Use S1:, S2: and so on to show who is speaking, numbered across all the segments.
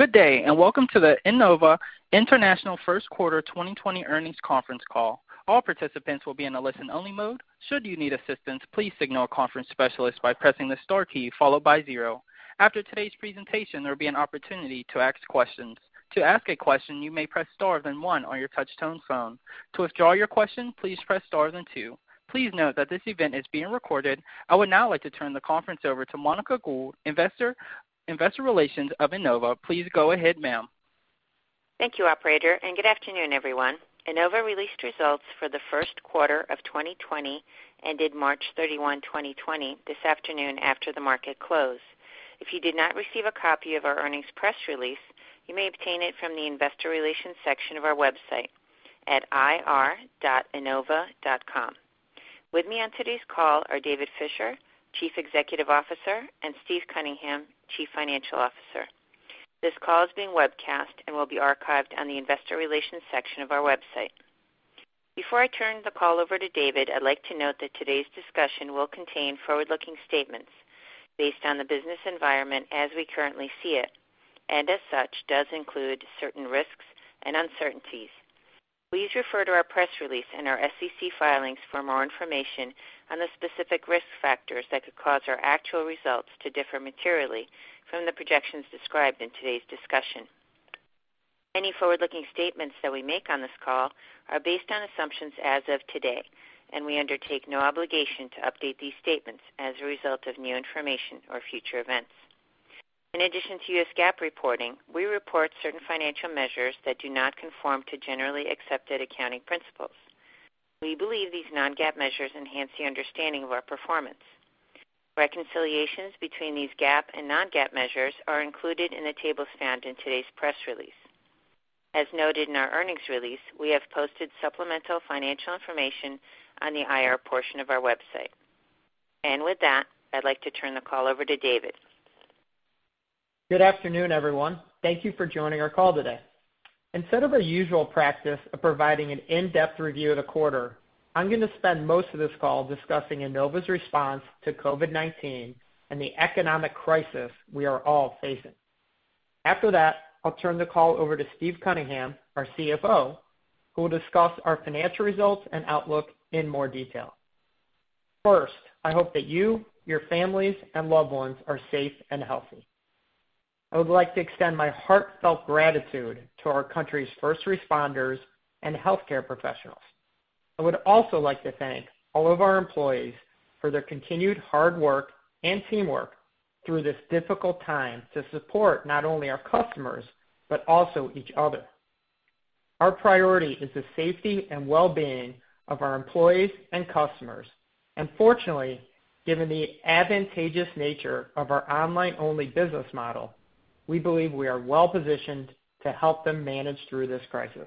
S1: Good day, welcome to the Enova International First Quarter 2020 Earnings Conference Call. All participants will be in a listen only mode. Should you need assistance, please signal a conference specialist by pressing the star key followed by zero. After today's presentation, there will be an opportunity to ask questions. To ask a question, you may press star then one on your touch-tone phone. To withdraw your question, please press stars and two. Please note that this event is being recorded. I would now like to turn the conference over to Monica Gould, investor relations of Enova. Please go ahead, ma'am.
S2: Thank you, operator, and good afternoon, everyone. Enova released results for the first quarter of 2020, ended March 31, 2020 this afternoon after the market close. If you did not receive a copy of our earnings press release, you may obtain it from the Investor Relations section of our website at ir.enova.com. With me on today's call are David Fisher, Chief Executive Officer, and Steve Cunningham, Chief Financial Officer. This call is being webcast and will be archived on the Investor Relations section of our website. Before I turn the call over to David, I'd like to note that today's discussion will contain forward-looking statements based on the business environment as we currently see it, and as such, does include certain risks and uncertainties. Please refer to our press release and our SEC filings for more information on the specific risk factors that could cause our actual results to differ materially from the projections described in today's discussion. Any forward-looking statements that we make on this call are based on assumptions as of today, and we undertake no obligation to update these statements as a result of new information or future events. In addition to U.S. GAAP reporting, we report certain financial measures that do not conform to generally accepted accounting principles. We believe these non-GAAP measures enhance the understanding of our performance. Reconciliations between these GAAP and non-GAAP measures are included in the tables found in today's press release. As noted in our earnings release, we have posted supplemental financial information on the IR portion of our website. With that, I'd like to turn the call over to David.
S3: Good afternoon, everyone. Thank you for joining our call today. Instead of our usual practice of providing an in-depth review of the quarter, I'm going to spend most of this call discussing Enova's response to COVID-19 and the economic crisis we are all facing. After that, I'll turn the call over to Steve Cunningham, our CFO, who will discuss our financial results and outlook in more detail. First, I hope that you, your families, and loved ones are safe and healthy. I would like to extend my heartfelt gratitude to our country's first responders and healthcare professionals. I would also like to thank all of our employees for their continued hard work and teamwork through this difficult time to support not only our customers, but also each other. Our priority is the safety and well-being of our employees and customers. Fortunately, given the advantageous nature of our online-only business model, we believe we are well-positioned to help them manage through this crisis.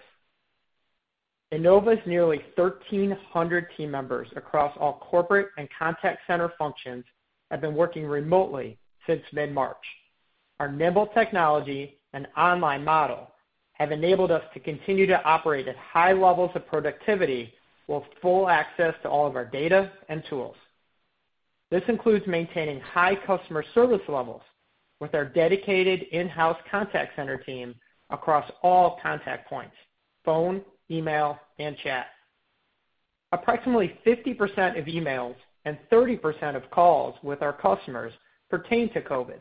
S3: Enova's nearly 1,300 team members across all corporate and contact center functions have been working remotely since mid-March. Our nimble technology and online model have enabled us to continue to operate at high levels of productivity with full access to all of our data and tools. This includes maintaining high customer service levels with our dedicated in-house contact center team across all contact points, phone, email, and chat. Approximately 50% of emails and 30% of calls with our customers pertain to COVID-19,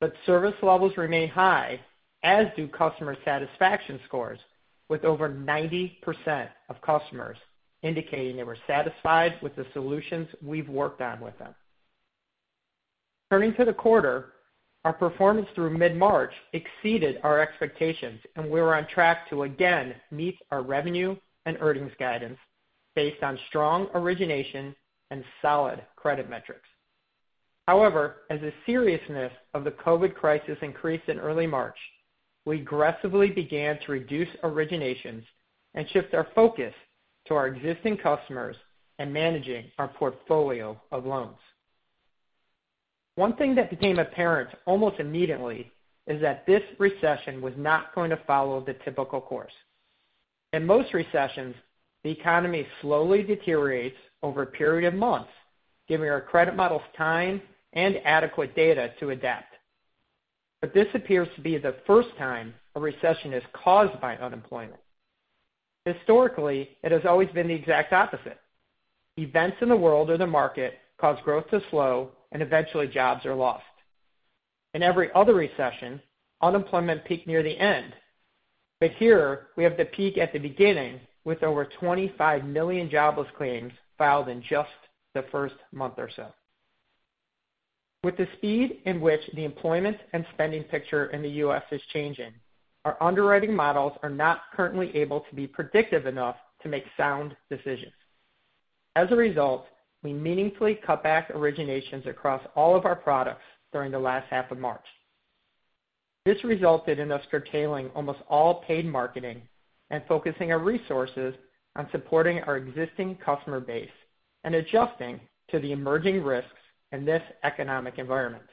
S3: but service levels remain high, as do customer satisfaction scores, with over 90% of customers indicating they were satisfied with the solutions we've worked on with them. Turning to the quarter, our performance through mid-March exceeded our expectations, and we were on track to again meet our revenue and earnings guidance based on strong origination and solid credit metrics. However, as the seriousness of the COVID-19 crisis increased in early March, we aggressively began to reduce originations and shift our focus to our existing customers and managing our portfolio of loans. One thing that became apparent almost immediately is that this recession was not going to follow the typical course. In most recessions, the economy slowly deteriorates over a period of months, giving our credit models time and adequate data to adapt. This appears to be the first time a recession is caused by unemployment. Historically, it has always been the exact opposite. Events in the world or the market cause growth to slow and eventually jobs are lost. In every other recession, unemployment peaked near the end. Here we have the peak at the beginning with over 25 million jobless claims filed in just the first month or so. With the speed in which the employment and spending picture in the U.S. is changing, our underwriting models are not currently able to be predictive enough to make sound decisions. As a result, we meaningfully cut back originations across all of our products during the last half of March. This resulted in us curtailing almost all paid marketing and focusing our resources on supporting our existing customer base and adjusting to the emerging risks in this economic environment.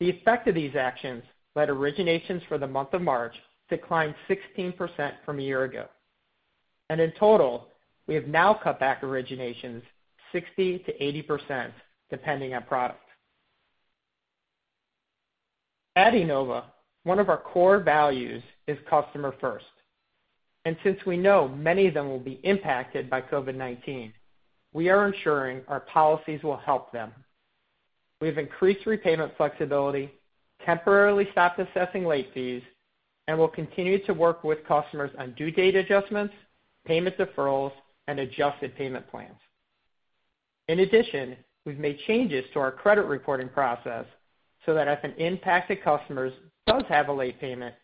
S3: The effect of these actions led originations for the month of March to decline 16% from a year ago. In total, we have now cut back originations 60%-80%, depending on product. At Enova, one of our core values is customer first. Since we know many of them will be impacted by COVID-19, we are ensuring our policies will help them. We've increased repayment flexibility, temporarily stopped assessing late fees, and will continue to work with customers on due date adjustments, payment deferrals, and adjusted payment plans. In addition, we've made changes to our credit reporting process so that if an impacted customer does have a late payment,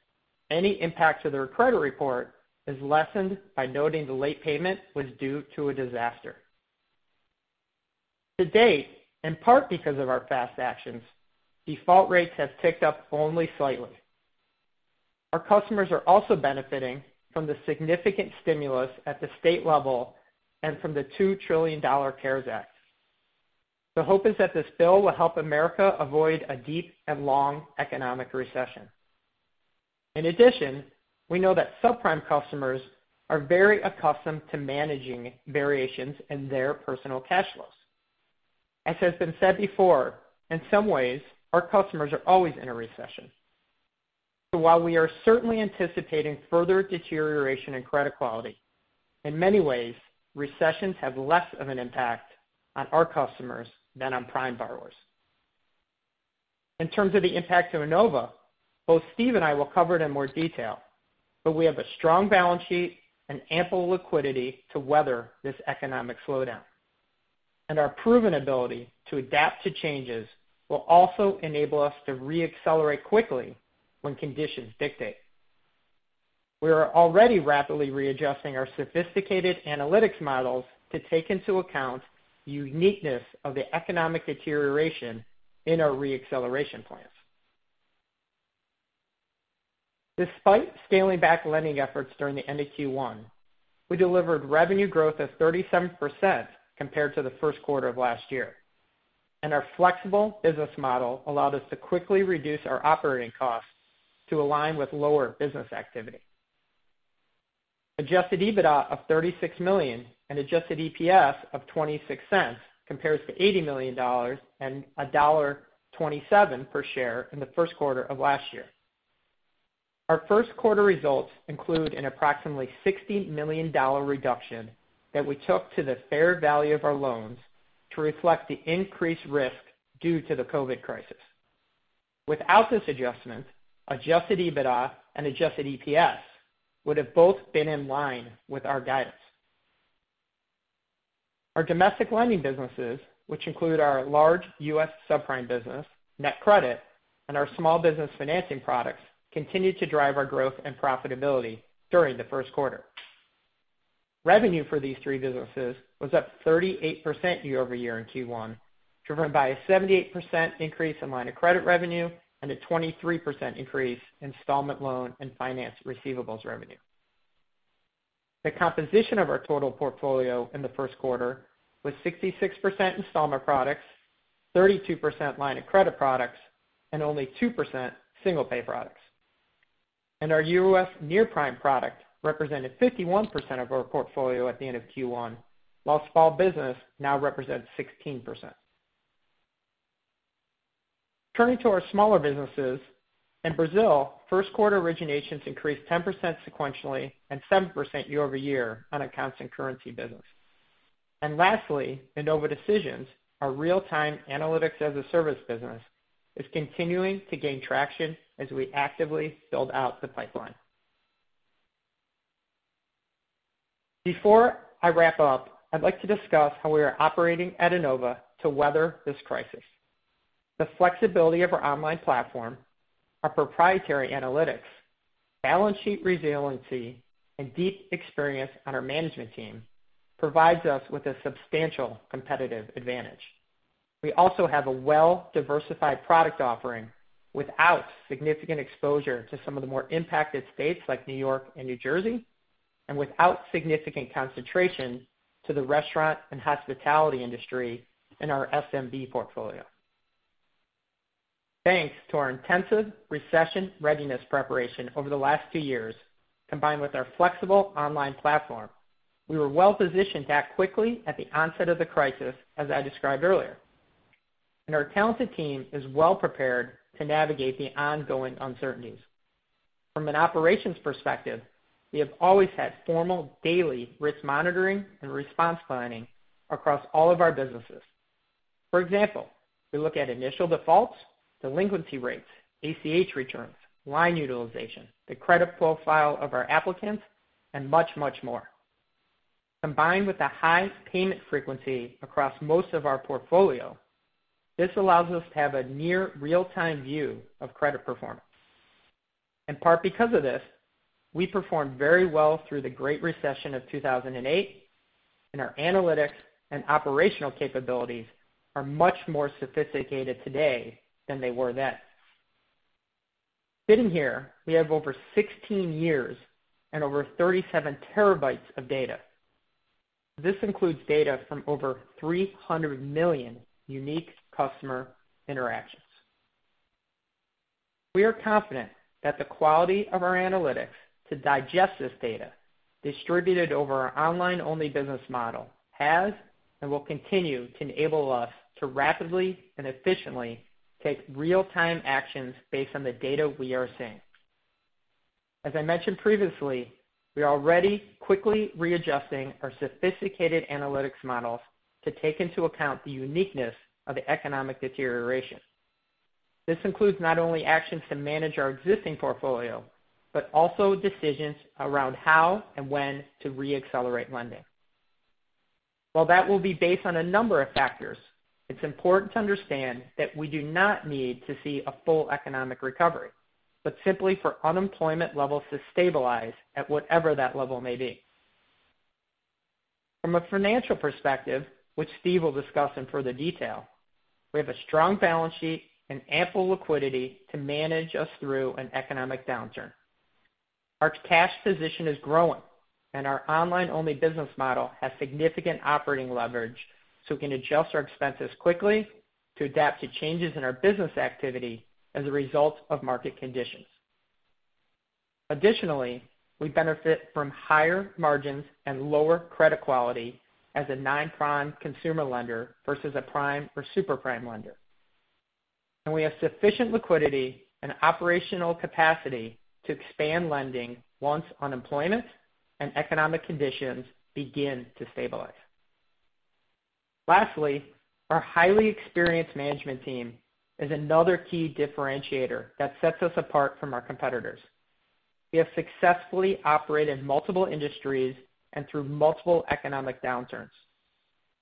S3: any impact to their credit report is lessened by noting the late payment was due to a disaster. To date, in part because of our fast actions, default rates have ticked up only slightly. Our customers are also benefiting from the significant stimulus at the state level and from the $2 trillion CARES Act. The hope is that this bill will help America avoid a deep and long economic recession. In addition, we know that subprime customers are very accustomed to managing variations in their personal cash flows. As has been said before, in some ways, our customers are always in a recession. While we are certainly anticipating further deterioration in credit quality, in many ways, recessions have less of an impact on our customers than on prime borrowers. In terms of the impact to Enova, both Steve and I will cover it in more detail, but we have a strong balance sheet and ample liquidity to weather this economic slowdown. Our proven ability to adapt to changes will also enable us to re-accelerate quickly when conditions dictate. We are already rapidly readjusting our sophisticated analytics models to take into account the uniqueness of the economic deterioration in our re-acceleration plans. Despite scaling back lending efforts during the end of Q1, we delivered revenue growth of 37% compared to the first quarter of last year. Our flexible business model allowed us to quickly reduce our operating costs to align with lower business activity. Adjusted EBITDA of $36 million and adjusted EPS of $0.26 compares to $80 million and $1.27 per share in the first quarter of last year. Our first quarter results include an approximately $60 million reduction that we took to the fair value of our loans to reflect the increased risk due to the COVID crisis. Without this adjustment, adjusted EBITDA and adjusted EPS would have both been in line with our guidance. Our domestic lending businesses, which include our large U.S. subprime business, NetCredit, and our small business financing products, continued to drive our growth and profitability during the first quarter. Revenue for these three businesses was up 38% year-over-year in Q1, driven by a 78% increase in line of credit revenue and a 23% increase in installment loan and finance receivables revenue. The composition of our total portfolio in the first quarter was 66% installment products, 32% line of credit products, and only 2% single-pay products. Our U.S. near-prime product represented 51% of our portfolio at the end of Q1, while small business now represents 16%. Turning to our smaller businesses. In Brazil, first quarter originations increased 10% sequentially and 7% year-over-year on a constant currency basis. Lastly, Enova Decisions, our real-time analytics-as-a-service business, is continuing to gain traction as we actively build out the pipeline. Before I wrap up, I'd like to discuss how we are operating at Enova to weather this crisis. The flexibility of our online platform, our proprietary analytics, balance sheet resiliency, and deep experience on our management team provides us with a substantial competitive advantage. We also have a well-diversified product offering without significant exposure to some of the more impacted states like New York and New Jersey, and without significant concentration to the restaurant and hospitality industry in our SMB portfolio. Thanks to our intensive recession readiness preparation over the last two years, combined with our flexible online platform, we were well-positioned to act quickly at the onset of the crisis, as I described earlier. Our talented team is well-prepared to navigate the ongoing uncertainties. From an operations perspective, we have always had formal daily risk monitoring and response planning across all of our businesses. For example, we look at initial defaults, delinquency rates, ACH returns, line utilization, the credit profile of our applicants, and much, much more. Combined with a high payment frequency across most of our portfolio, this allows us to have a near real-time view of credit performance. In part because of this, we performed very well through the Great Recession of 2008, and our analytics and operational capabilities are much more sophisticated today than they were then. Sitting here, we have over 16 years and over 37 terabytes of data. This includes data from over 300 million unique customer interactions. We are confident that the quality of our analytics to digest this data distributed over our online-only business model has and will continue to enable us to rapidly and efficiently take real-time actions based on the data we are seeing. As I mentioned previously, we are already quickly readjusting our sophisticated analytics models to take into account the uniqueness of the economic deterioration. This includes not only actions to manage our existing portfolio, but also decisions around how and when to re-accelerate lending. While that will be based on a number of factors, it's important to understand that we do not need to see a full economic recovery, but simply for unemployment levels to stabilize at whatever that level may be. From a financial perspective, which Steve will discuss in further detail, we have a strong balance sheet and ample liquidity to manage us through an economic downturn. Our cash position is growing, and our online-only business model has significant operating leverage, so we can adjust our expenses quickly to adapt to changes in our business activity as a result of market conditions. Additionally, we benefit from higher margins and lower credit quality as a non-prime consumer lender versus a prime or super-prime lender. We have sufficient liquidity and operational capacity to expand lending once unemployment and economic conditions begin to stabilize. Lastly, our highly experienced management team is another key differentiator that sets us apart from our competitors. We have successfully operated in multiple industries and through multiple economic downturns.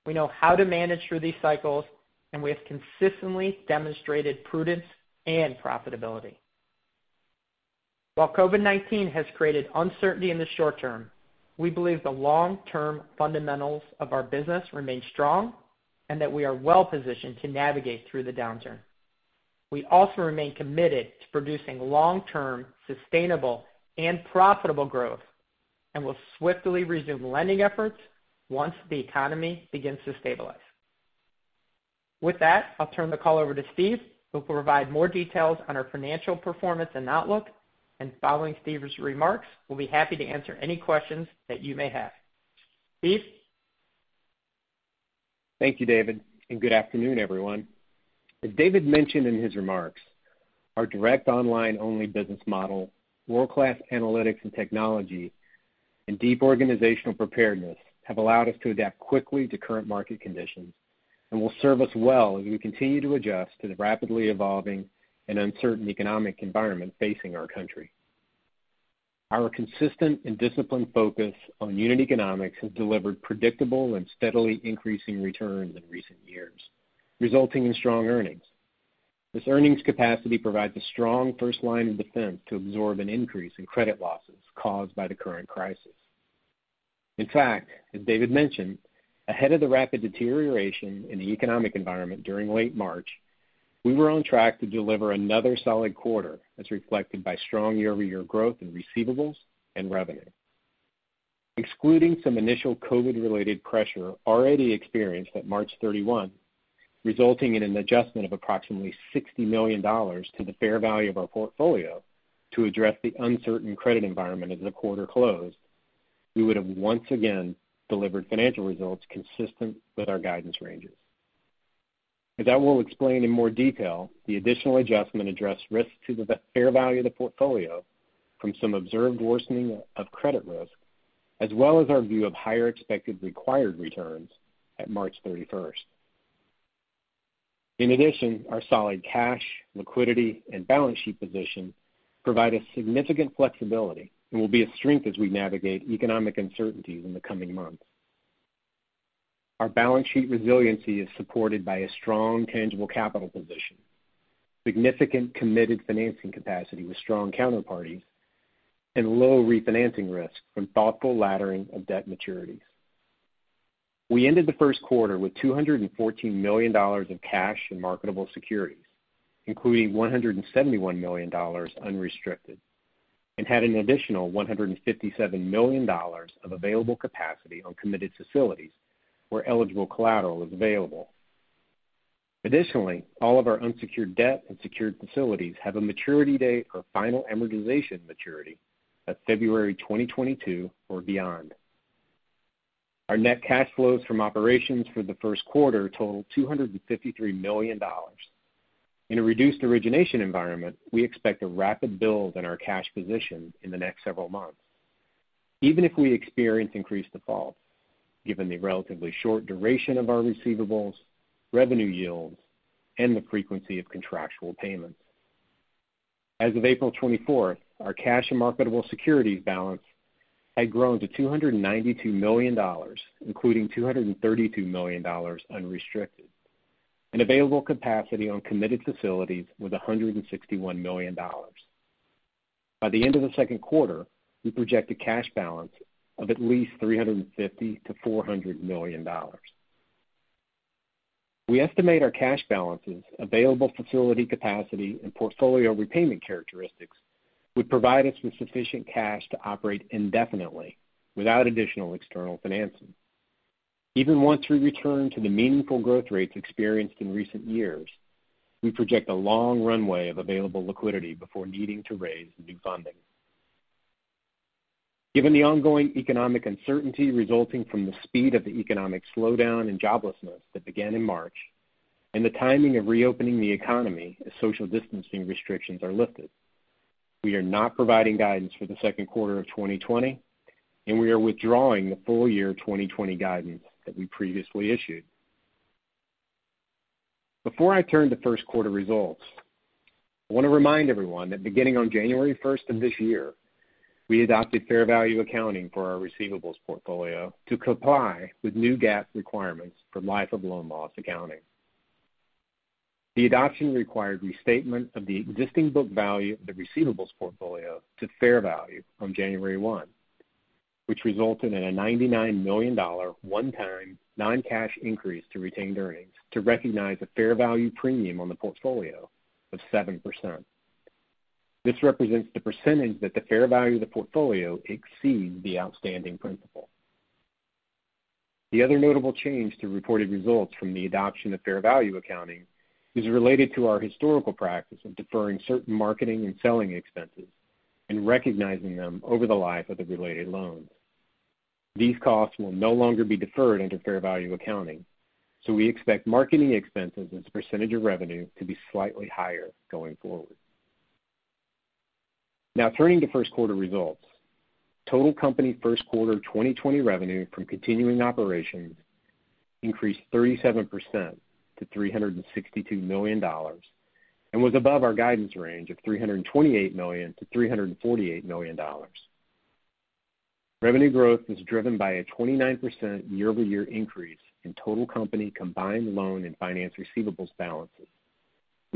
S3: We know how to manage through these cycles, and we have consistently demonstrated prudence and profitability. While COVID-19 has created uncertainty in the short term, we believe the long-term fundamentals of our business remain strong and that we are well-positioned to navigate through the downturn. We also remain committed to producing long-term, sustainable, and profitable growth and will swiftly resume lending efforts once the economy begins to stabilize. With that, I'll turn the call over to Steve, who will provide more details on our financial performance and outlook. Following Steve's remarks, we'll be happy to answer any questions that you may have. Steve?
S4: Thank you, David, and good afternoon, everyone. As David mentioned in his remarks, our direct online-only business model, world-class analytics and technology, and deep organizational preparedness have allowed us to adapt quickly to current market conditions and will serve us well as we continue to adjust to the rapidly evolving and uncertain economic environment facing our country. Our consistent and disciplined focus on unit economics has delivered predictable and steadily increasing returns in recent years, resulting in strong earnings. This earnings capacity provides a strong first line of defense to absorb an increase in credit losses caused by the current crisis. In fact, as David mentioned, ahead of the rapid deterioration in the economic environment during late March, we were on track to deliver another solid quarter as reflected by strong year-over-year growth in receivables and revenue. Excluding some initial COVID-related pressure already experienced at March 31, resulting in an adjustment of approximately $60 million to the fair value of our portfolio to address the uncertain credit environment as the quarter closed, we would have once again delivered financial results consistent with our guidance ranges. As I will explain in more detail, the additional adjustment addressed risks to the fair value of the portfolio from some observed worsening of credit risk, as well as our view of higher expected required returns at March 31st. In addition, our solid cash, liquidity, and balance sheet position provide us significant flexibility and will be a strength as we navigate economic uncertainties in the coming months. Our balance sheet resiliency is supported by a strong tangible capital position, significant committed financing capacity with strong counterparties, and low refinancing risk from thoughtful laddering of debt maturities. We ended the first quarter with $214 million in cash and marketable securities, including $171 million unrestricted, and had an additional $157 million of available capacity on committed facilities where eligible collateral is available. Additionally, all of our unsecured debt and secured facilities have a maturity date or final amortization maturity of February 2022 or beyond. Our net cash flows from operations for the first quarter totaled $253 million. In a reduced origination environment, we expect a rapid build in our cash position in the next several months, even if we experience increased defaults, given the relatively short duration of our receivables, revenue yields, and the frequency of contractual payments. As of April 24th, our cash and marketable securities balance had grown to $292 million, including $232 million unrestricted, and available capacity on committed facilities was $161 million. By the end of the second quarter, we project a cash balance of at least $350 million to $400 million. We estimate our cash balances, available facility capacity, and portfolio repayment characteristics would provide us with sufficient cash to operate indefinitely without additional external financing. Even once we return to the meaningful growth rates experienced in recent years, we project a long runway of available liquidity before needing to raise new funding. Given the ongoing economic uncertainty resulting from the speed of the economic slowdown in joblessness that began in March, and the timing of reopening the economy as social distancing restrictions are lifted, we are not providing guidance for the second quarter of 2020, and we are withdrawing the full year 2020 guidance that we previously issued. Before I turn to first quarter results, I want to remind everyone that beginning on January 1st of this year, we adopted fair value accounting for our receivables portfolio to comply with new GAAP requirements for life of loan loss accounting. The adoption required restatement of the existing book value of the receivables portfolio to fair value on January 1, which resulted in a $99 million, one-time non-cash increase to retained earnings to recognize a fair value premium on the portfolio of 7%. This represents the percentage that the fair value of the portfolio exceeds the outstanding principal. The other notable change to reported results from the adoption of fair value accounting is related to our historical practice of deferring certain marketing and selling expenses, and recognizing them over the life of the related loans. These costs will no longer be deferred into fair value accounting. We expect marketing expenses as a percentage of revenue to be slightly higher going forward. Turning to first quarter results. Total company first quarter 2020 revenue from continuing operations increased 37% to $362 million and was above our guidance range of $328 million to $348 million. Revenue growth was driven by a 29% year-over-year increase in total company combined loan and finance receivables balances,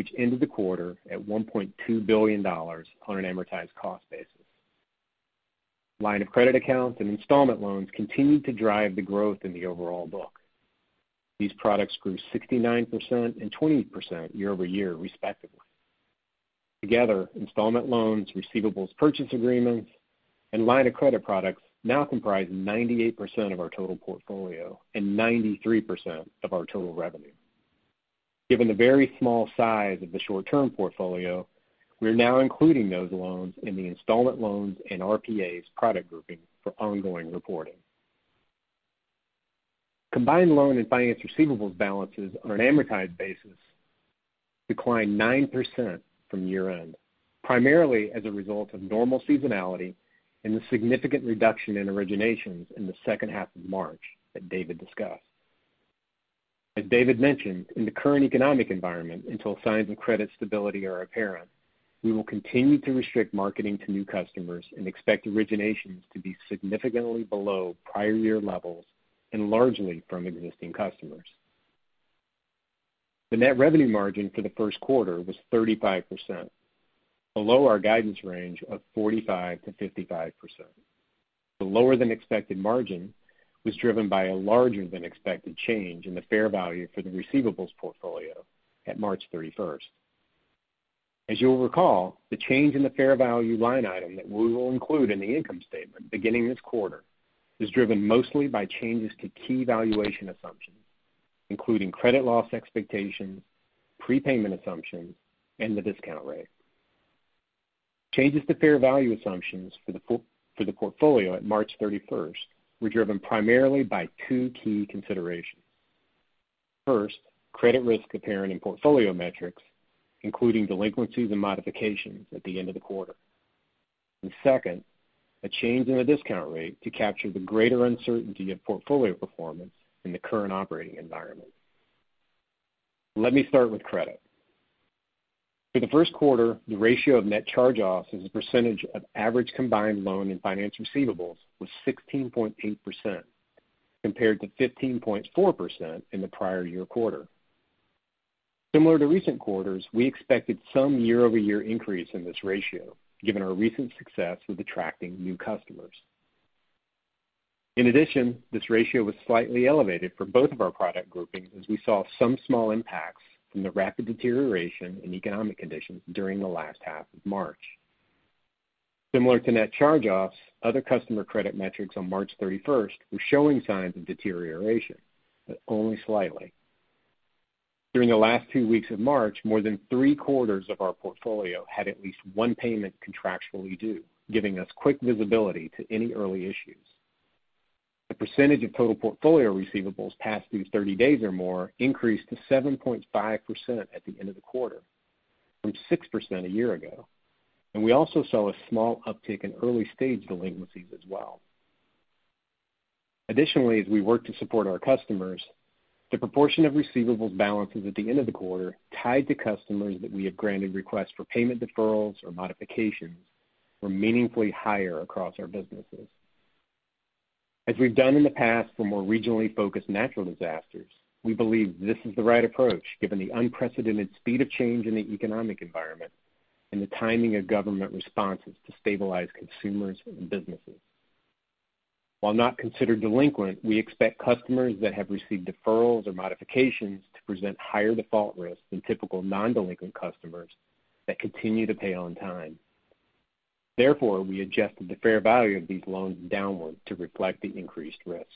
S4: which ended the quarter at $1.2 billion on an amortized cost basis. Line of credit accounts and installment loans continued to drive the growth in the overall book. These products grew 69% and 20% year-over-year respectively. Together, installment loans, receivables purchase agreements, and line of credit products now comprise 98% of our total portfolio and 93% of our total revenue. Given the very small size of the short-term portfolio, we're now including those loans in the installment loans and RPAs product grouping for ongoing reporting. Combined loan and finance receivables balances on an amortized basis declined 9% from year-end, primarily as a result of normal seasonality and the significant reduction in originations in the second half of March that David discussed. As David mentioned, in the current economic environment, until signs of credit stability are apparent, we will continue to restrict marketing to new customers and expect originations to be significantly below prior year levels and largely from existing customers. The net revenue margin for the first quarter was 35%, below our guidance range of 45%-55%. The lower-than-expected margin was driven by a larger-than-expected change in the fair value for the receivables portfolio at March 31st. As you'll recall, the change in the fair value line item that we will include in the income statement beginning this quarter is driven mostly by changes to key valuation assumptions, including credit loss expectations, prepayment assumptions, and the discount rate. Changes to fair value assumptions for the portfolio at March 31st were driven primarily by two key considerations. First, credit risk appearing in portfolio metrics, including delinquencies and modifications at the end of the quarter. Second, a change in the discount rate to capture the greater uncertainty of portfolio performance in the current operating environment. Let me start with credit. For the first quarter, the ratio of net charge-offs as a percentage of average combined loan and finance receivables was 16.8%, compared to 15.4% in the prior year quarter. Similar to recent quarters, we expected some year-over-year increase in this ratio, given our recent success with attracting new customers. In addition, this ratio was slightly elevated for both of our product groupings as we saw some small impacts from the rapid deterioration in economic conditions during the last half of March. Similar to net charge-offs, other customer credit metrics on March 31st were showing signs of deterioration, but only slightly. During the last two weeks of March, more than three-quarters of our portfolio had at least one payment contractually due, giving us quick visibility to any early issues. The percentage of total portfolio receivables past due 30 days or more increased to 7.5% at the end of the quarter from 6% a year ago. We also saw a small uptick in early-stage delinquencies as well. As we work to support our customers, the proportion of receivables balances at the end of the quarter tied to customers that we have granted requests for payment deferrals or modifications were meaningfully higher across our businesses. As we've done in the past for more regionally focused natural disasters, we believe this is the right approach given the unprecedented speed of change in the economic environment and the timing of government responses to stabilize consumers and businesses. While not considered delinquent, we expect customers that have received deferrals or modifications to present higher default risk than typical non-delinquent customers that continue to pay on time. We adjusted the fair value of these loans downward to reflect the increased risk.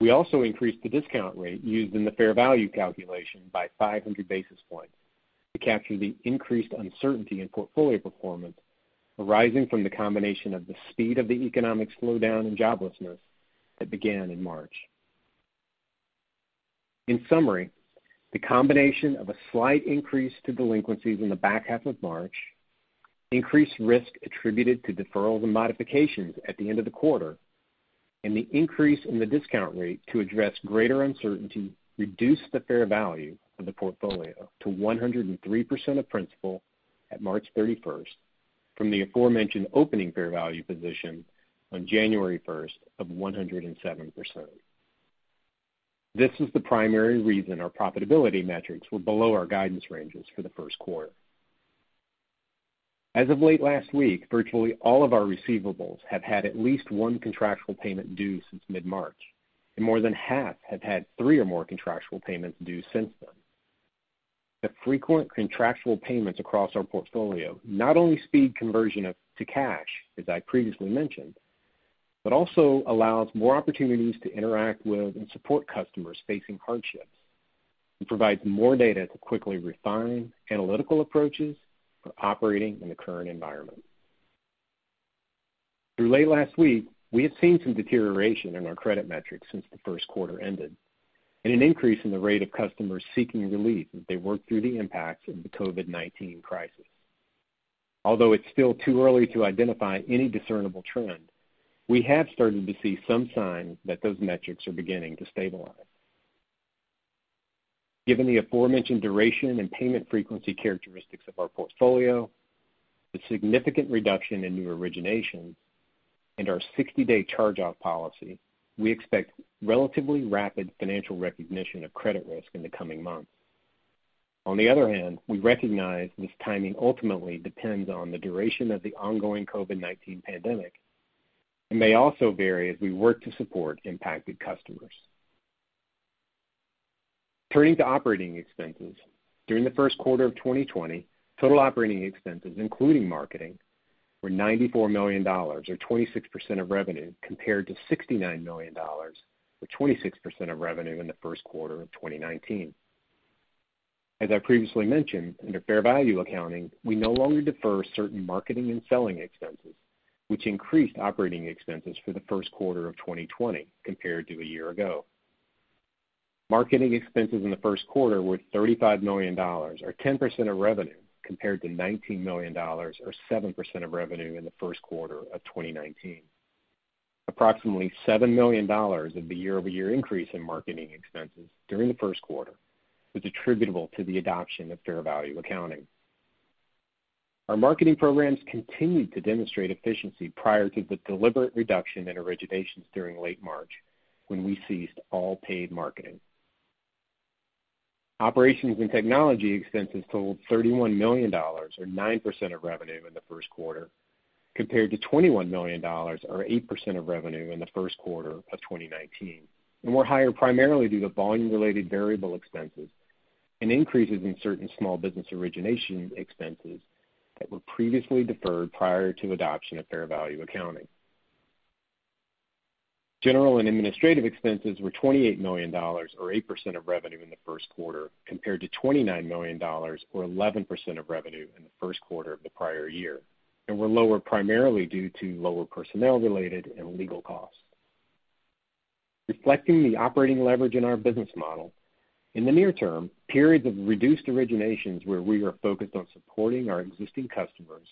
S4: We also increased the discount rate used in the fair value calculation by 500 basis points to capture the increased uncertainty in portfolio performance arising from the combination of the speed of the economic slowdown in joblessness that began in March. In summary, the combination of a slight increase to delinquencies in the back half of March, increased risk attributed to deferrals and modifications at the end of the quarter, and the increase in the discount rate to address greater uncertainty reduced the fair value of the portfolio to 103% of principal at March 31st from the aforementioned opening fair value position on January 1st of 107%. This is the primary reason our profitability metrics were below our guidance ranges for the first quarter. As of late last week, virtually all of our receivables have had at least one contractual payment due since mid-March, and more than half have had three or more contractual payments due since then. The frequent contractual payments across our portfolio not only speed conversion to cash, as I previously mentioned, but also allows more opportunities to interact with and support customers facing hardships and provides more data to quickly refine analytical approaches for operating in the current environment. Through late last week, we have seen some deterioration in our credit metrics since the first quarter ended, and an increase in the rate of customers seeking relief as they work through the impacts of the COVID-19 crisis. Although it's still too early to identify any discernible trend, we have started to see some signs that those metrics are beginning to stabilize. Given the aforementioned duration and payment frequency characteristics of our portfolio, the significant reduction in new originations, and our 60-day charge-off policy, we expect relatively rapid financial recognition of credit risk in the coming months. On the other hand, we recognize this timing ultimately depends on the duration of the ongoing COVID-19 pandemic and may also vary as we work to support impacted customers. Turning to operating expenses. During the first quarter of 2020, total operating expenses, including marketing, were $94 million, or 26% of revenue, compared to $69 million, or 26% of revenue in the first quarter of 2019. As I previously mentioned, under fair value accounting, we no longer defer certain marketing and selling expenses, which increased operating expenses for the first quarter of 2020 compared to a year ago. Marketing expenses in the first quarter were $35 million, or 10% of revenue, compared to $19 million, or 7% of revenue in the first quarter of 2019. Approximately $7 million of the year-over-year increase in marketing expenses during the first quarter was attributable to the adoption of fair value accounting. Our marketing programs continued to demonstrate efficiency prior to the deliberate reduction in originations during late March, when we ceased all paid marketing. Operations and technology expenses totaled $31 million, or 9% of revenue in the first quarter, compared to $21 million or 8% of revenue in the first quarter of 2019, and were higher primarily due to volume-related variable expenses and increases in certain small business origination expenses that were previously deferred prior to adoption of fair value accounting. General and administrative expenses were $28 million, or 8% of revenue in the first quarter, compared to $29 million or 11% of revenue in the first quarter of the prior year, and were lower primarily due to lower personnel-related and legal costs. Reflecting the operating leverage in our business model, in the near term, periods of reduced originations where we are focused on supporting our existing customers,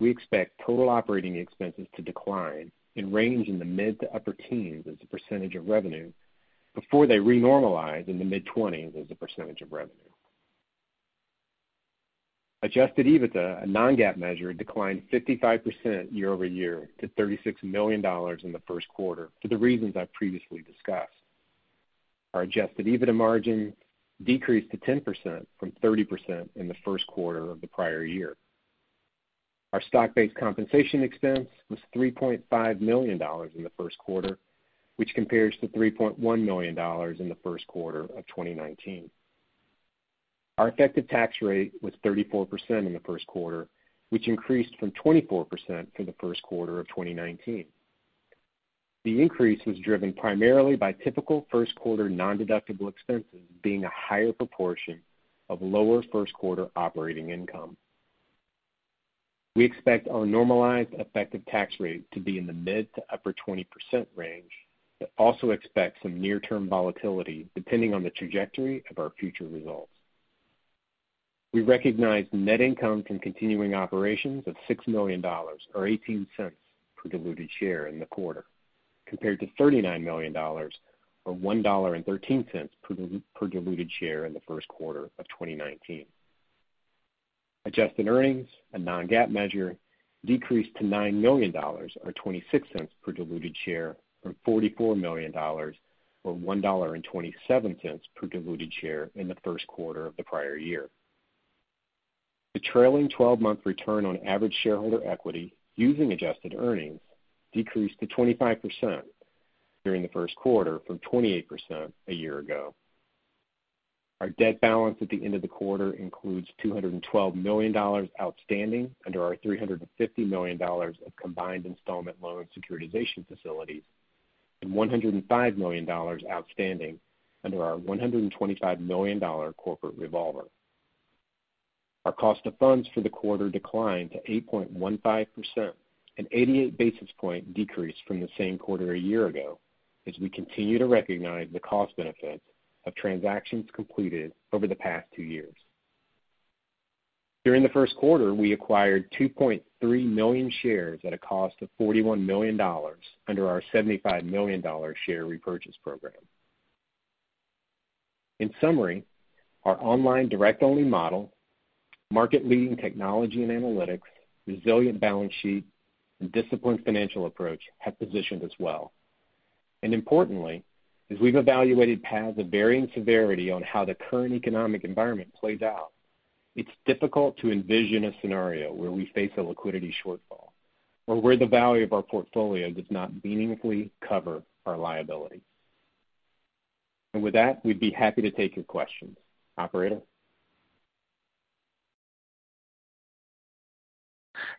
S4: we expect total operating expenses to decline and range in the mid-to-upper teens as a percentage of revenue before they re-normalize in the mid-20s as a percentage of revenue. Adjusted EBITDA, a non-GAAP measure, declined 55% year-over-year to $36 million in the first quarter for the reasons I previously discussed. Our adjusted EBITDA margin decreased to 10% from 30% in the first quarter of the prior year. Our stock-based compensation expense was $3.5 million in the first quarter, which compares to $3.1 million in the first quarter of 2019. Our effective tax rate was 34% in the first quarter, which increased from 24% for the first quarter of 2019. The increase was driven primarily by typical first quarter non-deductible expenses being a higher proportion of lower first quarter operating income. We expect our normalized effective tax rate to be in the mid to upper 20% range, also expect some near-term volatility depending on the trajectory of our future results. We recognized net income from continuing operations of $6 million, or $0.18 per diluted share in the quarter, compared to $39 million, or $1.13 per diluted share in the first quarter of 2019. Adjusted earnings, a non-GAAP measure, decreased to $9 million, or $0.26 per diluted share, from $44 million or $1.27 per diluted share in the first quarter of the prior year. The trailing 12-month return on average shareholder equity using adjusted earnings decreased to 25% during the first quarter from 28% a year ago. Our debt balance at the end of the quarter includes $212 million outstanding under our $350 million of combined installment loan securitization facilities and $105 million outstanding under our $125 million corporate revolver. Our cost of funds for the quarter declined to 8.15%, an 88-basis point decrease from the same quarter a year ago, as we continue to recognize the cost benefits of transactions completed over the past two years. During the first quarter, we acquired 2.3 million shares at a cost of $41 million under our $75 million share repurchase program. In summary, our online direct-only model, market-leading technology and analytics, resilient balance sheet, and disciplined financial approach have positioned us well. Importantly, as we've evaluated paths of varying severity on how the current economic environment plays out, it's difficult to envision a scenario where we face a liquidity shortfall or where the value of our portfolio does not meaningfully cover our liability. With that, we'd be happy to take your questions. Operator?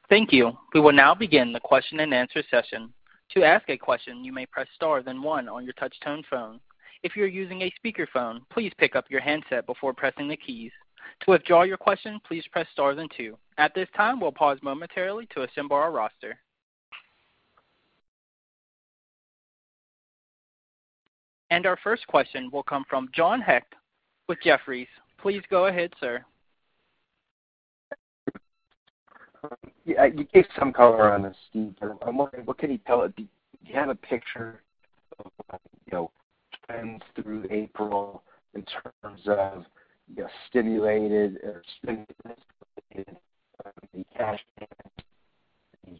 S1: Thank you. We will now begin the question-and-answer session. To ask a question, you may press star then one on your touch-tone phone. If you're using a speakerphone, please pick up your handset before pressing the keys. To withdraw your question, please press star then two. At this time, we'll pause momentarily to assemble our roster. Our first question will come from John Hecht with Jefferies. Please go ahead, sir.
S5: You gave some color on this, Steve. I'm wondering, what can you tell us? Do you have a picture of trends through April in terms of stimulated or stimulus-related, the cash payments,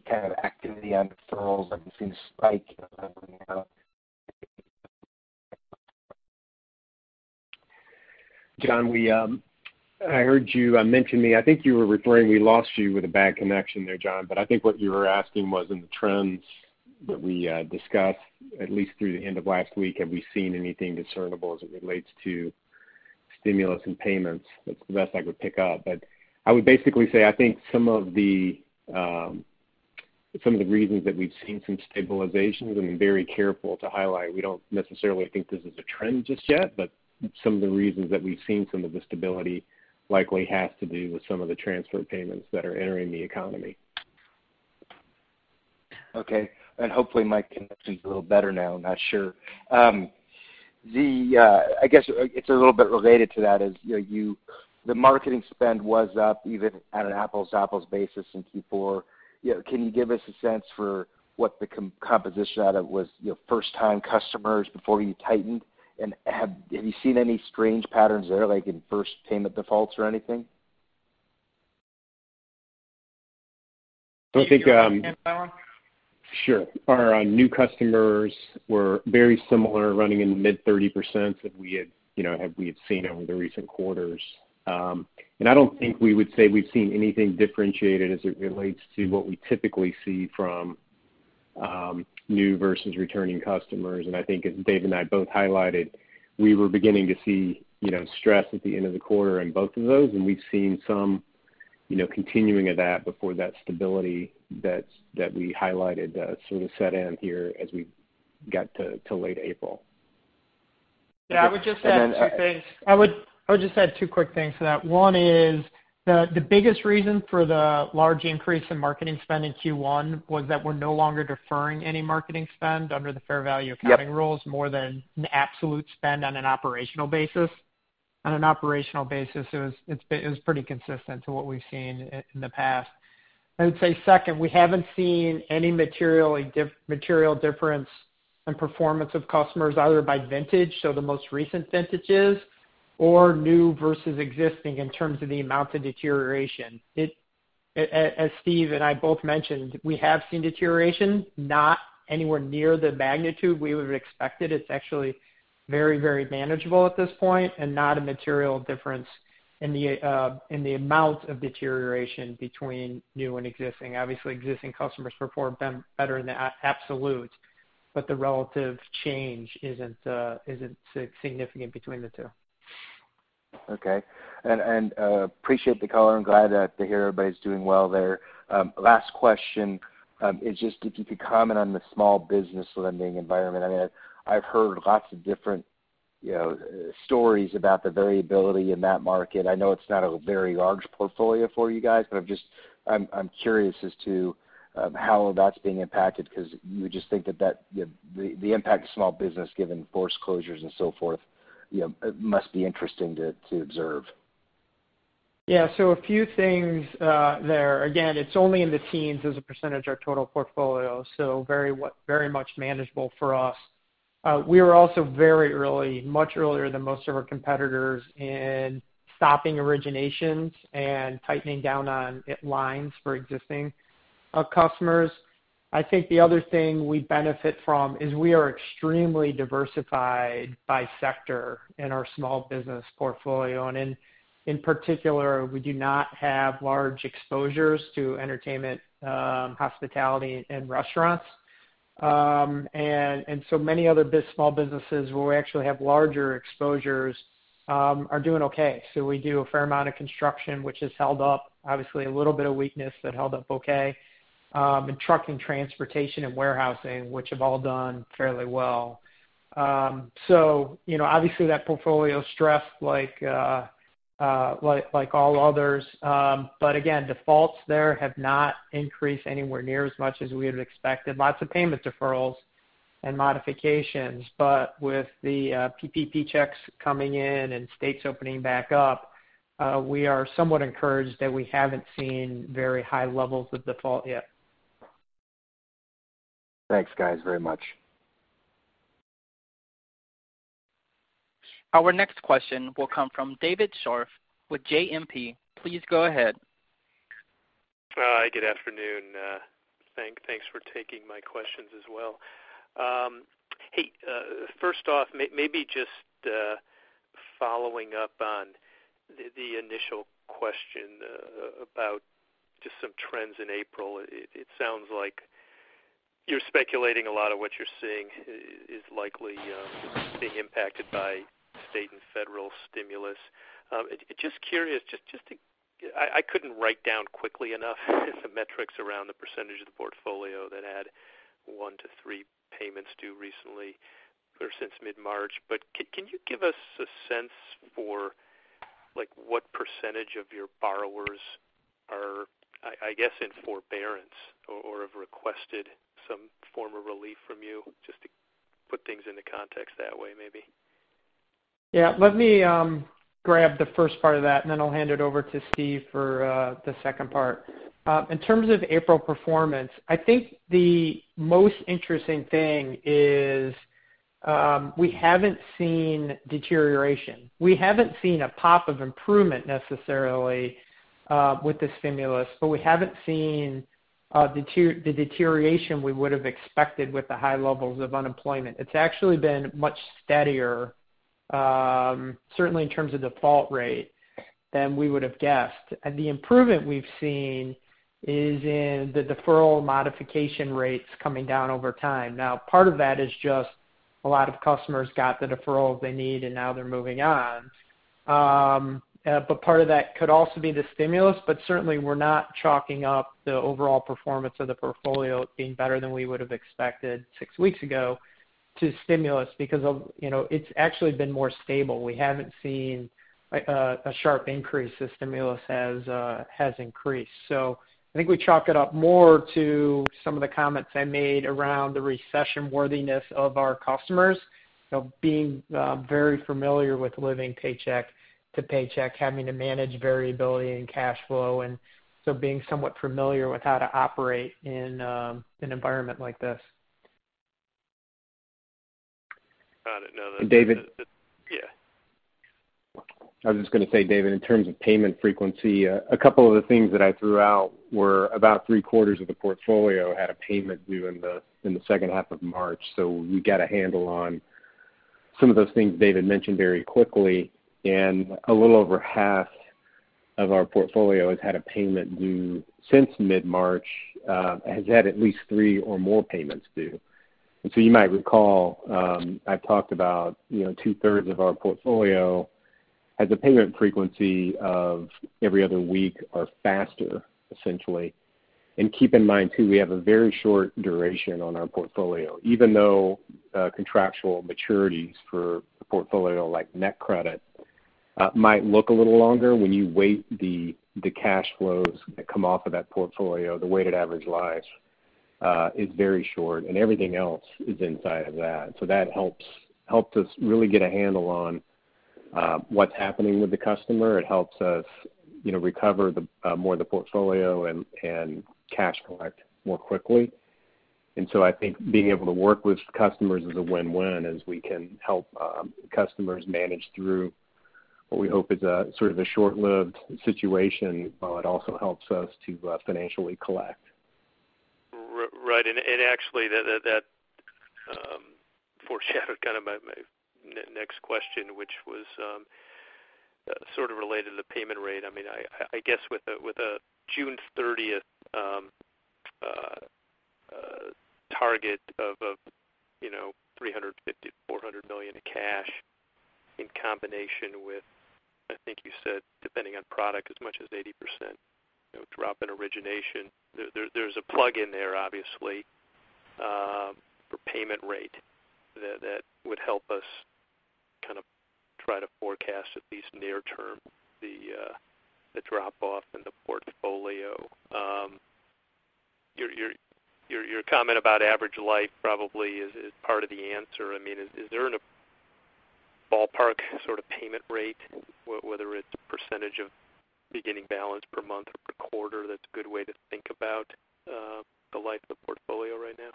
S5: the kind of activity on referrals? Have you seen a spike coming out?
S4: John, I heard you mention me. We lost you with a bad connection there, John. I think what you were asking was in the trends that we discussed, at least through the end of last week, have we seen anything discernible as it relates to stimulus and payments? That's the best I could pick up. I would basically say, I think some of the reasons that we've seen some stabilization, and I'm very careful to highlight we don't necessarily think this is a trend just yet. Some of the reasons that we've seen some of the stability likely has to do with some of the transfer payments that are entering the economy.
S5: Okay. Hopefully my connection's a little better now. Not sure. I guess, it's a little bit related to that is the marketing spend was up even at an apples-to-apples basis in Q4. Can you give us a sense for what the composition of that was, first-time customers before you tightened? Have you seen any strange patterns there, like in first payment defaults or anything?
S4: I think
S3: Can you take that one?
S4: Sure. Our new customers were very similar, running in the mid-30% that we had seen over the recent quarters. I don't think we would say we've seen anything differentiated as it relates to what we typically see from new versus returning customers. I think as Dave and I both highlighted, we were beginning to see stress at the end of the quarter in both of those, and we've seen some continuing of that before that stability that we highlighted sort of set in here as we got to late April.
S3: Yeah, I would just add two things. I would just add two quick things to that. One is the biggest reason for the large increase in marketing spend in Q1 was that we're no longer deferring any marketing spend under the fair value accounting rules more than an absolute spend on an operational basis. On an operational basis, it was pretty consistent to what we've seen in the past. I would say second, we haven't seen any material difference in performance of customers, either by vintage, so the most recent vintages, or new versus existing in terms of the amount of deterioration. As Steve and I both mentioned, we have seen deterioration, not anywhere near the magnitude we would've expected. It's actually very manageable at this point and not a material difference in the amount of deterioration between new and existing. Obviously, existing customers perform better in the absolute, but the relative change isn't significant between the two.
S5: Okay. Appreciate the color. I'm glad to hear everybody's doing well there. Last question is just if you could comment on the small business lending environment. I've heard lots of different stories about the variability in that market. I know it's not a very large portfolio for you guys, but I'm curious as to how that's being impacted because you would just think that the impact of small business given forced closures and so forth must be interesting to observe.
S3: A few things there. Again, it's only in the teens as a % of total portfolio, so very much manageable for us. We were also very early, much earlier than most of our competitors in stopping originations and tightening down on lines for existing customers. I think the other thing we benefit from is we are extremely diversified by sector in our small business portfolio. In particular, we do not have large exposures to entertainment, hospitality, and restaurants. Many other small businesses where we actually have larger exposures are doing okay. We do a fair amount of construction, which has held up. Obviously, a little bit of weakness that held up okay. Trucking, transportation, and warehousing, which have all done fairly well. Obviously, that portfolio stressed like all others. Again, defaults there have not increased anywhere near as much as we had expected. Lots of payment deferrals and modifications. With the PPP checks coming in and states opening back up, we are somewhat encouraged that we haven't seen very high levels of default yet.
S5: Thanks, guys, very much.
S1: Our next question will come from David Scharf with JMP. Please go ahead.
S6: Hi, good afternoon. Thanks for taking my questions as well. First off, maybe just following up on the initial question about just some trends in April. It sounds like you're speculating a lot of what you're seeing is likely being impacted by state and federal stimulus. Just curious, I couldn't write down quickly enough the metrics around the % of the portfolio that had one to three payments due recently or since mid-March. Can you give us a sense for what % of your borrowers are, I guess, in forbearance or have requested some form of relief from you, just to put things into context that way, maybe?
S3: Yeah. Let me grab the first part of that, and then I'll hand it over to Steve for the second part. In terms of April performance, I think the most interesting thing is we haven't seen deterioration. We haven't seen a pop of improvement necessarily with the stimulus, but we haven't seen the deterioration we would've expected with the high levels of unemployment. It's actually been much steadier, certainly in terms of default rate, than we would've guessed. The improvement we've seen is in the deferral modification rates coming down over time. Now, part of that is just a lot of customers got the deferral they need, and now they're moving on. Part of that could also be the stimulus. Certainly, we're not chalking up the overall performance of the portfolio being better than we would've expected six weeks ago to stimulus because it's actually been more stable. We haven't seen a sharp increase as stimulus has increased. I think we chalk it up more to some of the comments I made around the recession worthiness of our customers. Being very familiar with living paycheck to paycheck, having to manage variability and cash flow, being somewhat familiar with how to operate in an environment like this.
S6: Got it. No.
S4: David
S6: Yeah.
S4: I was just going to say, David, in terms of payment frequency, a couple of the things that I threw out were about three-quarters of the portfolio had a payment due in the second half of March. We got a handle on some of those things David mentioned very quickly. A little over half of our portfolio has had a payment due since mid-March, has had at least three or more payments due. You might recall, I talked about two-thirds of our portfolio has a payment frequency of every other week or faster, essentially. Keep in mind too, we have a very short duration on our portfolio. Even though contractual maturities for a portfolio like NetCredit might look a little longer, when you weight the cash flows that come off of that portfolio, the weighted average life is very short. Everything else is inside of that. That helps us really get a handle on what's happening with the customer. It helps us recover more of the portfolio and cash collect more quickly. I think being able to work with customers is a win-win, as we can help customers manage through what we hope is a sort of a short-lived situation, while it also helps us to financially collect.
S6: Right. Actually, that foreshadowed kind of my next question, which was sort of related to payment rate. I guess with a June 30th target of $350 million to $400 million in cash in combination with, I think you said, depending on product, as much as 80% drop in origination. There's a plug in there, obviously, for payment rate that would help us kind of try to forecast at least near term the drop-off in the portfolio. Your comment about average life probably is part of the answer. Is there a ballpark sort of payment rate, whether it's percentage of beginning balance per month or per quarter, that's a good way to think about the life of the portfolio right now?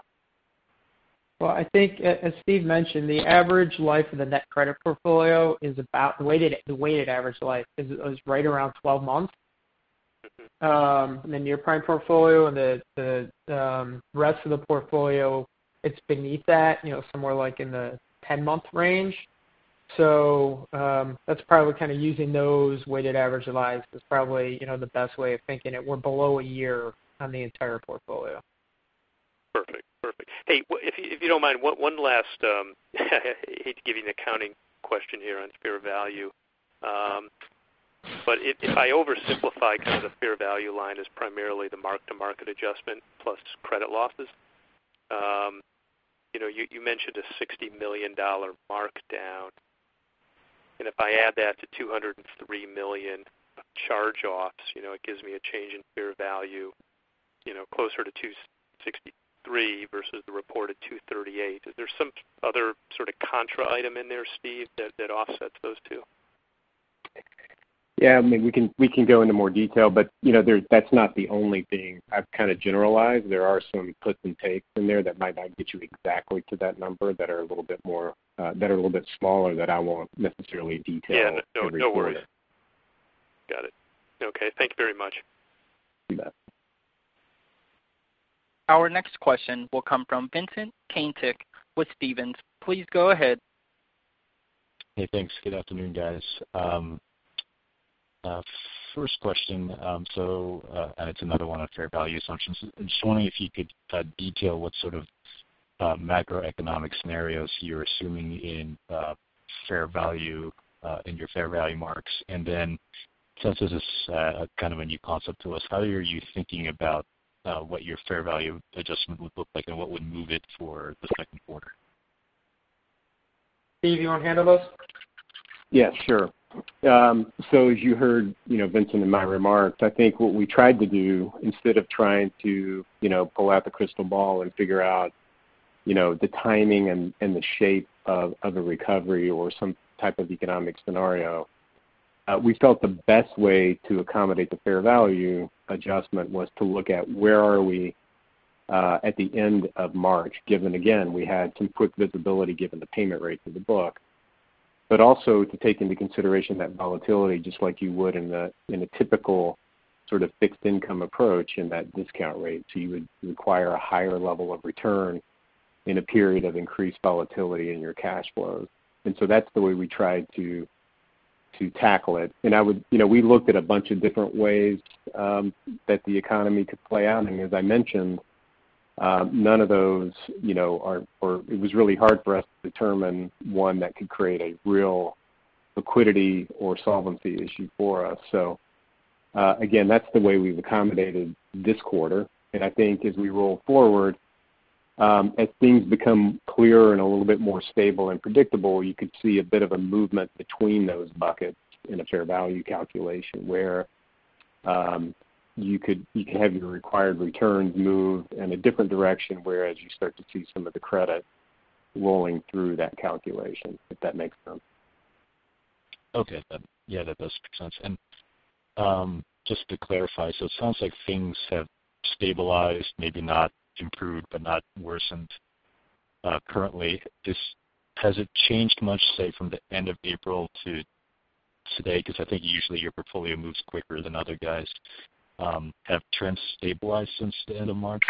S3: Well, I think as Steve mentioned, the average life of the NetCredit portfolio, the weighted average life, is right around 12 months. The near-prime portfolio and the rest of the portfolio, it's beneath that, somewhere like in the 10-month range. That's probably kind of using those weighted average of lives is probably the best way of thinking it. We're below a year on the entire portfolio.
S6: Perfect. Hey, if you don't mind, one last, hate to give you an accounting question here on fair value. If I oversimplify kind of the fair value line as primarily the mark-to-market adjustment plus credit losses. You mentioned a $60 million mark-down, and if I add that to $203 million charge-offs, it gives me a change in fair value closer to $263 versus the reported $238. Is there some other sort of contra item in there, Steve, that offsets those two?
S4: Yeah. I mean, we can go into more detail, but that's not the only thing. I've kind of generalized. There are some clips and takes in there that might not get you exactly to that number that are a little bit smaller that I won't necessarily detail every quarter.
S6: Yeah. No worries. Got it. Okay, thank you very much.
S4: You bet.
S1: Our next question will come from Vincent Caintic with Stephens. Please go ahead.
S7: Hey, thanks. Good afternoon, guys. First question. It's another one on fair value assumptions. Just wondering if you could detail what sort of macroeconomic scenarios you're assuming in your fair value marks. Since this is kind of a new concept to us, how are you thinking about what your fair value adjustment would look like and what would move it for the second quarter?
S3: Steve, you want to handle those?
S4: Yeah, sure. As you heard Vincent, in my remarks, I think what we tried to do, instead of trying to pull out the crystal ball and figure out the timing and the shape of a recovery or some type of economic scenario. We felt the best way to accommodate the fair value adjustment was to look at where are we at the end of March, given, again, we had some quick visibility, given the payment rates of the book. Also to take into consideration that volatility, just like you would in a typical sort of fixed income approach in that discount rate. You would require a higher level of return in a period of increased volatility in your cash flows. That's the way we tried to tackle it. We looked at a bunch of different ways that the economy could play out. As I mentioned, it was really hard for us to determine one that could create a real liquidity or solvency issue for us. Again, that's the way we've accommodated this quarter. I think as we roll forward, as things become clearer and a little bit more stable and predictable, you could see a bit of a movement between those buckets in a fair value calculation. Where you could have your required returns moved in a different direction, whereas you start to see some of the credit rolling through that calculation, if that makes sense.
S7: Okay. Yeah, that does make sense. Just to clarify, so it sounds like things have stabilized, maybe not improved, but not worsened currently. Has it changed much, say, from the end of April to today? I think usually your portfolio moves quicker than other guys. Have trends stabilized since the end of March?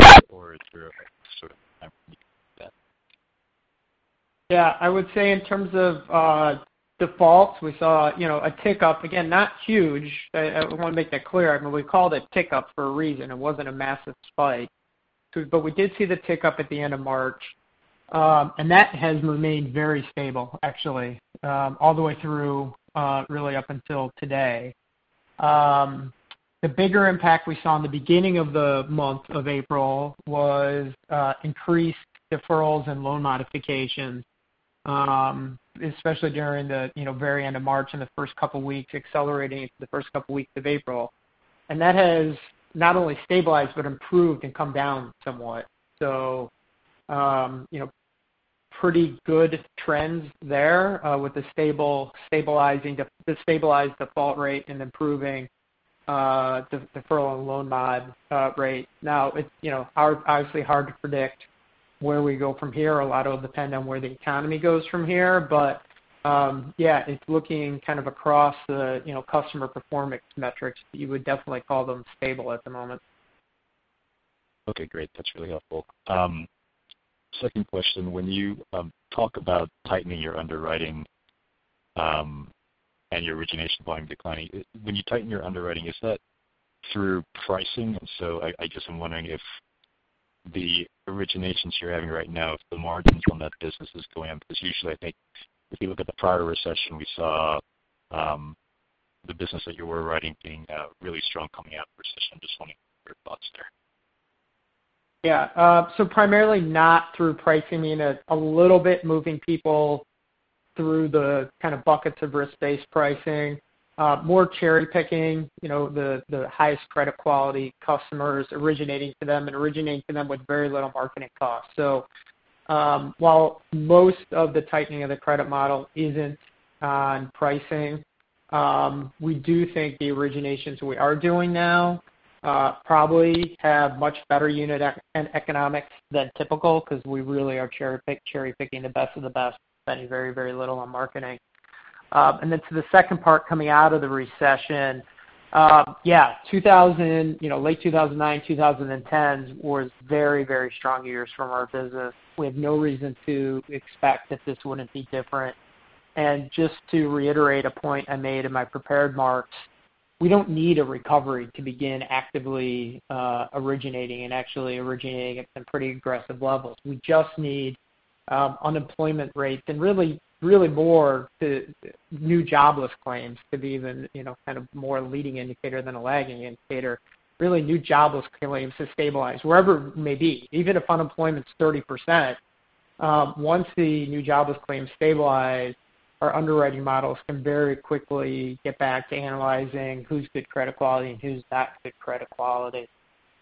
S3: Yeah. I would say in terms of defaults, we saw a tick up. Again, not huge. I want to make that clear. I mean, we called it tick up for a reason. It wasn't a massive spike. We did see the tick up at the end of March. That has remained very stable actually, all the way through, really up until today. The bigger impact we saw in the beginning of the month of April was increased deferrals and loan modifications, especially during the very end of March and the first couple of weeks, accelerating into the first couple of weeks of April. That has not only stabilized but improved and come down somewhat. Pretty good trends there with the stabilized default rate and improving deferral and loan mod rate. Now, obviously hard to predict where we go from here. A lot of it will depend on where the economy goes from here. Yeah, it's looking kind of across the customer performance metrics. You would definitely call them stable at the moment.
S7: Okay, great. That's really helpful. Second question, when you talk about tightening your underwriting and your origination volume declining. When you tighten your underwriting, is that through pricing? I just am wondering if the originations you're having right now, if the margins on that business is going up. Usually, I think if you look at the prior recession, we saw the business that you were underwriting being really strong coming out of the recession. Just wondering your thoughts there.
S3: Yeah. Primarily not through pricing, a little bit moving people through the kind of buckets of risk-based pricing. More cherry-picking the highest credit quality customers originating to them and originating to them with very little marketing cost. While most of the tightening of the credit model isn't on pricing, we do think the originations we are doing now probably have much better unit economics than typical because we really are cherry-picking the best of the best, spending very, very little on marketing. To the second part coming out of the Great Recession. Yeah. Late 2009, 2010 was very strong years from our business. We have no reason to expect that this wouldn't be different. Just to reiterate a point I made in my prepared remarks, we don't need a recovery to begin actively originating and actually originating at some pretty aggressive levels. We just need unemployment rates really more to new jobless claims to be even kind of more leading indicator than a lagging indicator. New jobless claims to stabilize wherever it may be. Even if unemployment's 30%, once the new jobless claims stabilize, our underwriting models can very quickly get back to analyzing who's good credit quality and who's not good credit quality.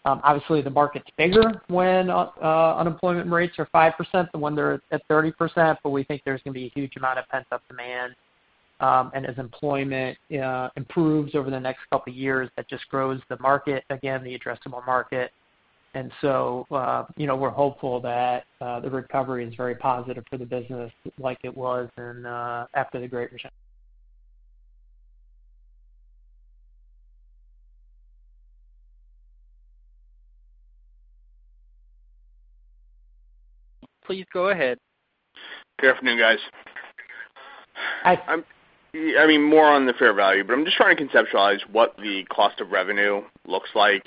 S3: Obviously, the market's bigger when unemployment rates are 5% than when they're at 30%, we think there's going to be a huge amount of pent-up demand. As employment improves over the next couple of years, that just grows the market, again, the addressable market. We're hopeful that the recovery is very positive for the business like it was after the Great Recession.
S1: Please go ahead.
S5: Good afternoon, guys.
S3: Hi.
S5: More on the fair value. I'm just trying to conceptualize what the cost of revenue looks like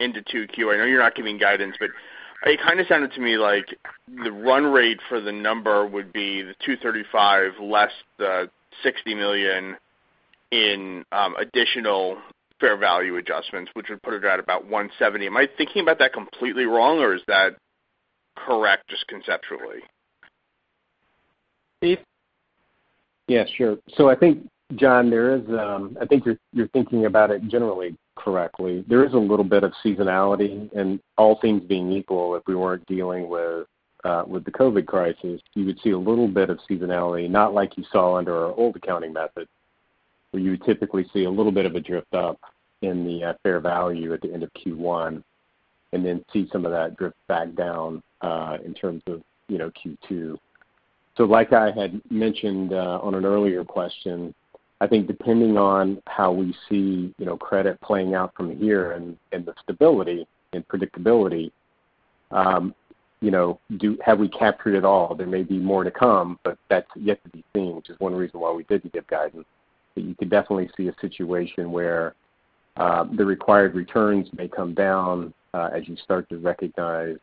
S5: into 2Q. I know you're not giving guidance. It kind of sounded to me like the run rate for the number would be the 235 less the $60 million in additional fair value adjustments, which would put it at about 170. Am I thinking about that completely wrong, or is that correct, just conceptually?
S3: Steve?
S4: Yeah, sure. I think, John, I think you're thinking about it generally correctly. There is a little bit of seasonality, and all things being equal if we weren't dealing with the COVID crisis. You would see a little bit of seasonality, not like you saw under our old accounting method, where you would typically see a little bit of a drift up in the fair value at the end of Q1, and then see some of that drift back down in terms of Q2. Like I had mentioned on an earlier question, I think depending on how we see credit playing out from here and the stability and predictability, have we captured it all? There may be more to come, but that's yet to be seen, which is one reason why we did give guidance. You could definitely see a situation where the required returns may come down as you start to recognize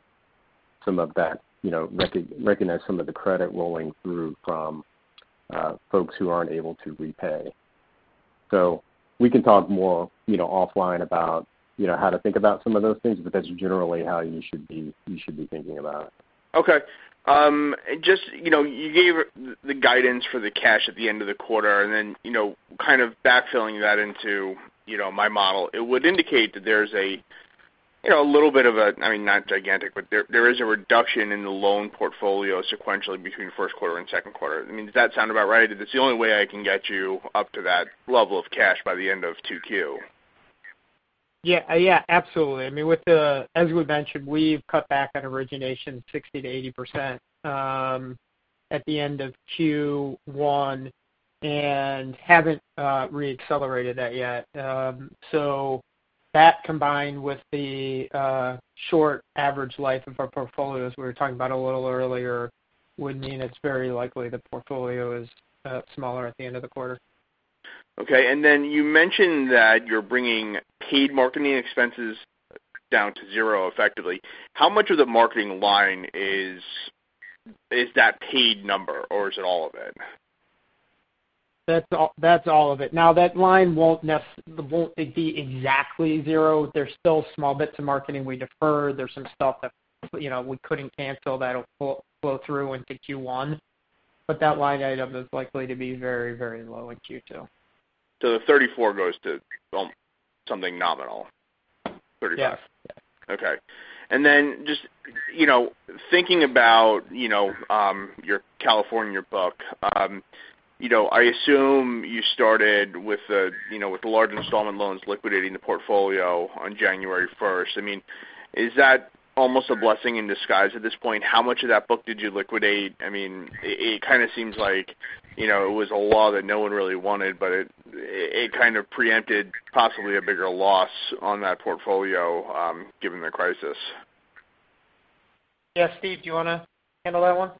S4: some of the credit rolling through from folks who aren't able to repay. We can talk more offline about how to think about some of those things, but that's generally how you should be thinking about it.
S5: Okay. You gave the guidance for the cash at the end of the quarter, and then kind of backfilling that into my model. It would indicate that there's a little bit of Not gigantic, but there is a reduction in the loan portfolio sequentially between first quarter and second quarter. Does that sound about right? That's the only way I can get you up to that level of cash by the end of 2Q.
S3: Yeah, absolutely. As we mentioned, we've cut back on origination 60%-80% at the end of Q1 and haven't re-accelerated that yet. That combined with the short average life of our portfolios we were talking about a little earlier would mean it's very likely the portfolio is smaller at the end of the quarter.
S5: Okay. Then you mentioned that you're bringing paid marketing expenses down to zero effectively. How much of the marketing line is that paid number, or is it all of it?
S3: That's all of it. That line won't be exactly zero. There's still small bits of marketing we deferred. There's some stuff that we couldn't cancel that'll flow through into Q1. That line item is likely to be very low in Q2.
S5: The 34 goes to something nominal?
S3: Yeah.
S5: Okay. Then just thinking about your California book. I assume you started with the large installment loans liquidating the portfolio on January 1st. Is that almost a blessing in disguise at this point? How much of that book did you liquidate? It kind of seems like it was a law that no one really wanted, it kind of preempted possibly a bigger loss on that portfolio given the crisis.
S3: Yeah. Steve, do you want to handle that one?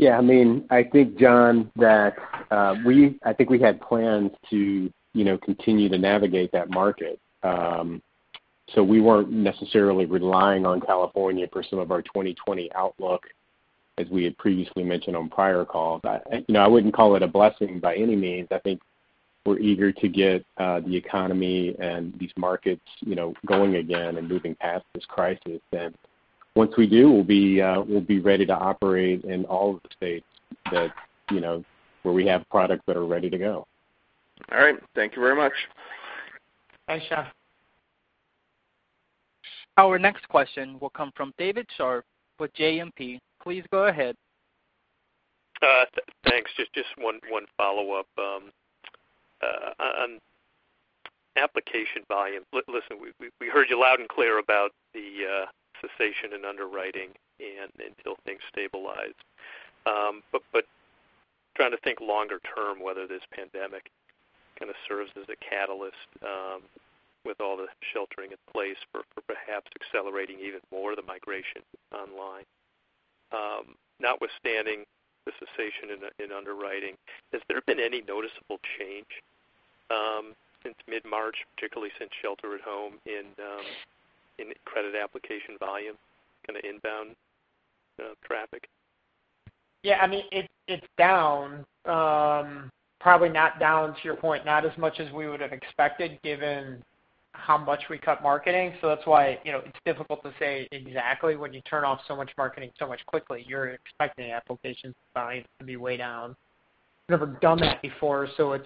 S4: I think, John, that we had plans to continue to navigate that market. We weren't necessarily relying on California for some of our 2020 outlook as we had previously mentioned on prior calls. I wouldn't call it a blessing by any means. I think we're eager to get the economy and these markets going again and moving past this crisis. Once we do, we'll be ready to operate in all of the states where we have products that are ready to go.
S5: All right. Thank you very much.
S3: Thanks, John.
S1: Our next question will come from David Scharf with JMP. Please go ahead.
S6: Thanks. Just one follow-up on application volume. Listen, we heard you loud and clear about the cessation in underwriting and until things stabilize. Trying to think longer term, whether this pandemic kind of serves as a catalyst with all the sheltering in place for perhaps accelerating even more the migration online. Notwithstanding the cessation in underwriting, has there been any noticeable change since mid-March, particularly since shelter at home in credit application volume kind of inbound traffic?
S3: Yeah. It's down. Probably not down, to your point, not as much as we would have expected given how much we cut marketing. That's why it's difficult to say exactly when you turn off so much marketing so much quickly, you're expecting applications volume to be way down. We've never done that before, so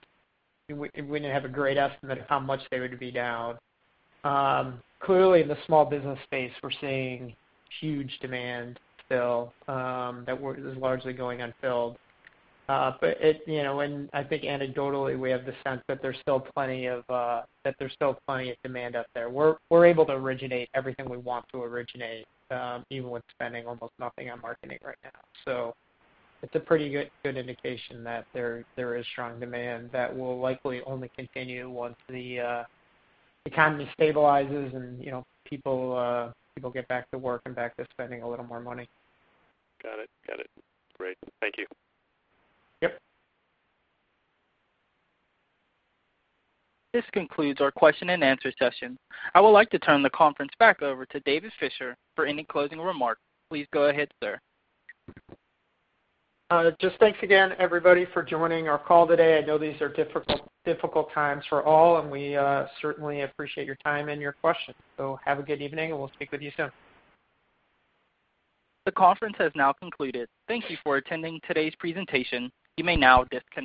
S3: we didn't have a great estimate of how much they would be down. Clearly, in the small business space, we're seeing huge demand still that is largely going unfilled. I think anecdotally, we have the sense that there's still plenty of demand out there. We're able to originate everything we want to originate even with spending almost nothing on marketing right now. It's a pretty good indication that there is strong demand that will likely only continue once the economy stabilizes and people get back to work and back to spending a little more money.
S6: Got it. Great. Thank you.
S3: Yep.
S1: This concludes our question-and-answer session. I would like to turn the conference back over to David Fisher for any closing remarks. Please go ahead, sir.
S3: Thanks again everybody for joining our call today. I know these are difficult times for all, and we certainly appreciate your time and your questions. Have a good evening and we'll speak with you soon.
S1: The conference has now concluded. Thank you for attending today's presentation. You may now disconnect.